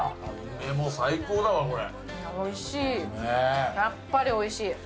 もう最高だわ、これ。